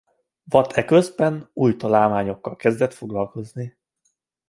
Watt eközben új találmányokkal kezdett foglalkozni.